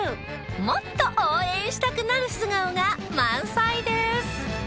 もっと応援したくなる素顔が満載です。